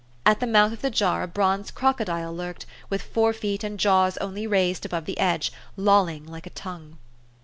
At the mouth of the jar a bronze crocodile lurked, with fore feet and jaws only raised above the edge, lolling like a tongue.